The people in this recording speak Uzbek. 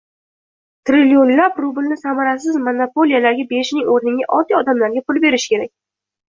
Trillionlab rublni samarasiz monopoliyalarga berishning o'rniga, oddiy odamlarga pul berish kerak